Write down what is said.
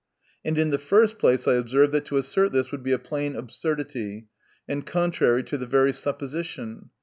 And in the first place I observe, that to assert this, would be a plain absur dity, and contrary to the very supposition.